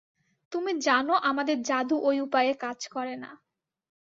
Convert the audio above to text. তুমি জানো আমাদের জাদু ঐ উপায়ে কাজ করেনা।